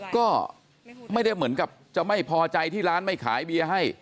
ก็ไม่ได้เหมือนกับจะไม่พอใจที่ร้านไม่ขายเบียร์ให้